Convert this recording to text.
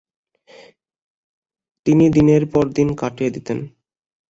তিনি দিনের পর দিন কাটিয়ে দিতেন।